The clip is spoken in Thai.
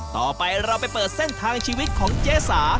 ต่อไปเราไปเปิดเส้นทางชีวิตของเจ๊สา